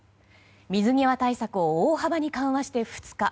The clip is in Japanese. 水際対策を大幅に緩和して２日。